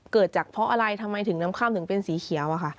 เกิดจากเพราะอะไรทำไมถึงน้ำค่ำถึงเป็นสีเขียวอะค่ะ